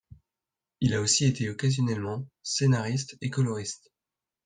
Il a aussi été occasionnellement scénariste et coloriste.